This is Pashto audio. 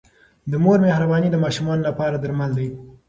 د مور مهرباني د ماشومانو لپاره درمل دی.